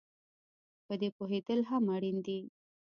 په دې پوهېدل هم اړین دي